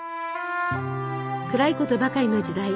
暗いことばかりの時代。